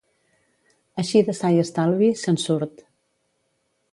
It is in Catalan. Així de sa i estalvi, se'n surt.